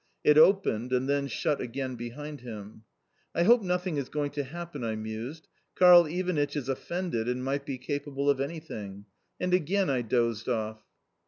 It opened, and then shut again behind him. "I hope nothing is going to happen," I mused. "Karl Ivanitch is offended, and might be capable of anything " and again I dozed off.